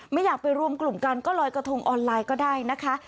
ไม่อยากไปรวมกลุ่มกันก็ลอยกระทงออนไลน์ก็ได้นะคะ